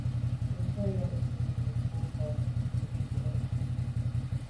Nke nsôg mbu mi mebwô kà njôg njù juju.